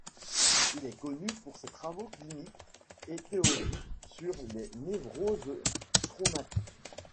Il est connu pour ses travaux cliniques et théoriques sur les névroses traumatiques.